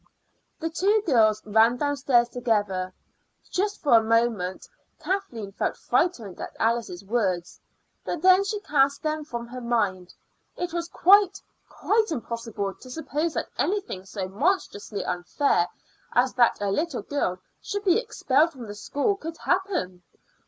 The two girls ran downstairs together. Just for a moment Kathleen had felt frightened at Alice's words, but then she cast them from her mind. It was quite, quite impossible to suppose that anything so monstrously unfair as that a little girl should be expelled from the school could happen.